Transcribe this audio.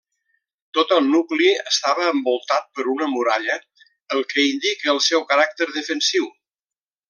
Tot el nucli estava envoltat per una muralla el que indica el seu caràcter defensiu.